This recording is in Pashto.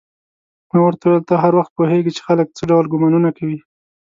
ما ورته وویل: ته هر وخت پوهېږې چې خلک څه ډول ګومانونه کوي؟